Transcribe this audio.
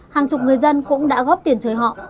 hàng chục người dân cũng đã góp tiền chơi họ